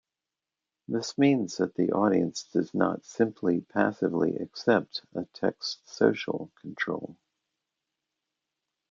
This means that the audience does not simply passively accept a text-social control.